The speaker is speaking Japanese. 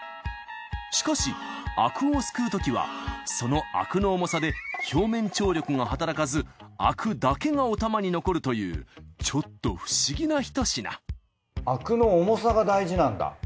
しかしあくをすくうときはそのあくの重さで表面張力が働かずあくだけがおたまに残るというちょっと不思議なひと品あくの重さが大事なんだ。